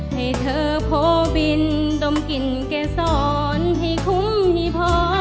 ให้เธอโพบินดมกลิ่นเกษรให้คุ้มให้พอ